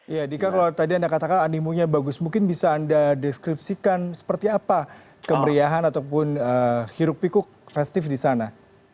ya dika kalau tadi anda katakan animunya bagus mungkin bisa anda deskripsikan seperti apa kemeriahan ataupun hiruk pikuk festif di sana